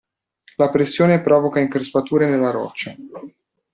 La pressione provoca increspature nella roccia.